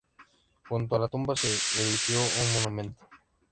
Junto a la tumba se erigió un monumento.